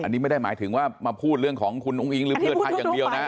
อันนี้ไม่ได้หมายถึงว่ามาพูดเรื่องของคุณอุ้งอิงหรือเพื่อไทยอย่างเดียวนะ